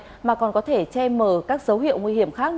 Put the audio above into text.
hoặc có thể che mờ các dấu hiệu nguy hiểm khác